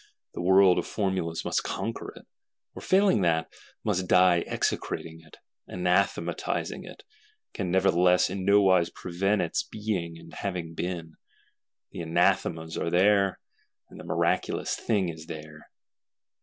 The world of formulas must conquer it; or failing that, must die execrating it, anathematising it;—can nevertheless in nowise prevent its being and its having been. The Anathemas are there, and the miraculous Thing is there.